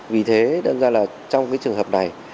vì thế đơn ra là trong cái trường hợp này